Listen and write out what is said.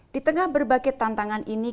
di tengah berbagai tantangan ini